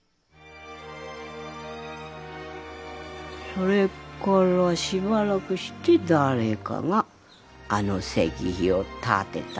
それからしばらくして誰かがあの石碑を建てたんだなあ。